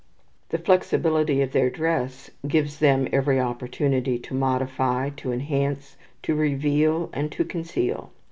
The flexibility of their dress gives them every opportunity to modify, to enhance, to reveal, and to conceal.